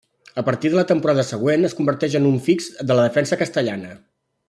A partir de la temporada següent, es converteix en un fix de la defensa castellana.